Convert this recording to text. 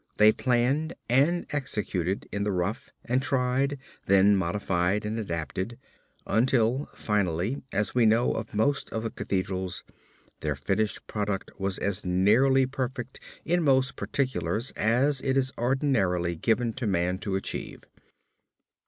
They planned and executed in the rough and tried, then modified and adapted, until finally as we know of most of the Cathedrals, their finished product was as nearly perfect in most particulars as it is ordinarily given to man to achieve.